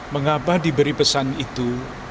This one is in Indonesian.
mengapa diberi pesan itu